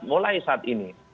mulai saat ini